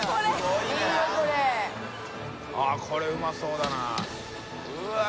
あっこれうまそうだなうわっ！